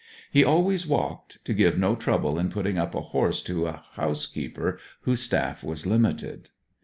He always walked, to give no trouble in putting up a horse to a housekeeper whose staff was limited.